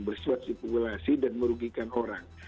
bersuasipulasi dan merugikan orang